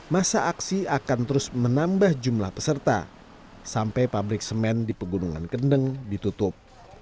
masa aksi akan terus menambah jumlah peserta sampai pabrik semen di pegunungan kendeng ditutup